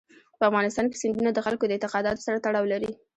په افغانستان کې سیندونه د خلکو د اعتقاداتو سره تړاو لري.